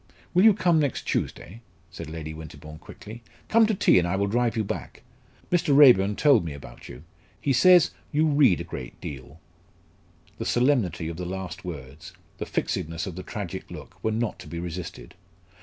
"Will you come next Tuesday?" said Lady Winterbourne quickly "come to tea, and I will drive you back. Mr. Raeburn told me about you. He says you read a great deal." The solemnity of the last words, the fixedness of the tragic look, were not to be resisted.